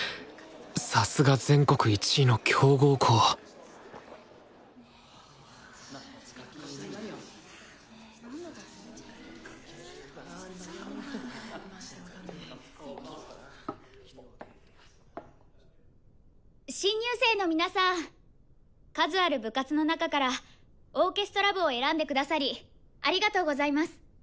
さすが全国１位の強豪校新入生の皆さん数ある部活の中からオーケストラ部を選んでくださりありがとうございます。